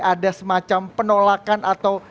ada semacam penolakan atau